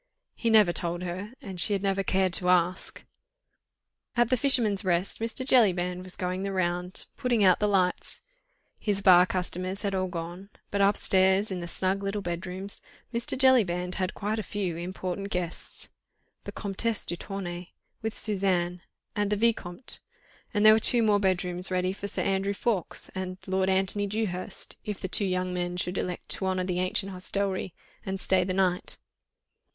He never told her, and she had never cared to ask. At "The Fisherman's Rest" Mr. Jellyband was going the round, putting out the lights. His bar customers had all gone, but upstairs in the snug little bedrooms, Mr. Jellyband had quite a few important guests: the Comtesse de Tournay, with Suzanne, and the Vicomte, and there were two more bedrooms ready for Sir Andrew Ffoulkes and Lord Antony Dewhurst, if the two young men should elect to honour the ancient hostelry and stay the night.